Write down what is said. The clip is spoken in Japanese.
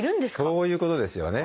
そういうことですよね。